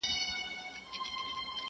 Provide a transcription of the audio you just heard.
• زه مي دوې نښي د خپل یار درته وایم,